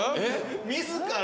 ・自ら？